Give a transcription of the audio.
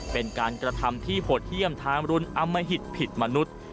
เป็นการกระทำที่โหดเยี่ยมทางรุนอมหิตผิดมนุษย์